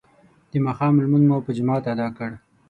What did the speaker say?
د ماښام لمونځ مو په جماعت ادا کړ.